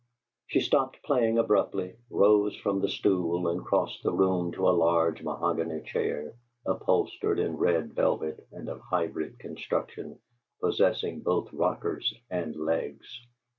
She stopped playing abruptly, rose from the stool and crossed the room to a large mahogany chair, upholstered in red velvet and of hybrid construction, possessing both rockers and legs.